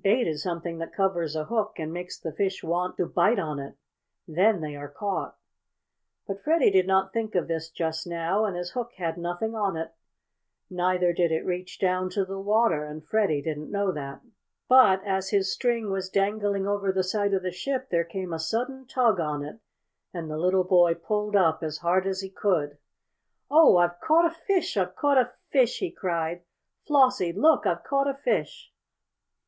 Bait is something that covers a hook and makes the fish want to bite on it. Then they are caught. But Freddie did not think of this just now, and his hook had nothing on it. Neither did it reach down to the water, and Freddie didn't know that. But, as his string was dangling over the side of the ship there came a sudden tug on it, and the little boy pulled up as hard as he could. "Oh, I've caught a fish! I've caught a fish!" he cried. "Flossie, look, I've caught a fish!"